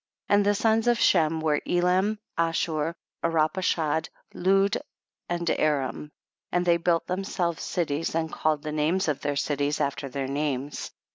31. And the sons of Shem were Elam, Ashur, Arpachshad, Lud and Aram, and they built themselves cities and called the names of all their cities after their names.